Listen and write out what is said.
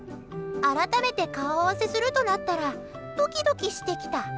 改めて、顔合わせするとなったらドキドキしてきた。